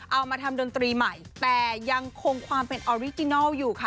เอามาทำดนตรีใหม่แต่ยังคงความเป็นออริจินัลอยู่ค่ะ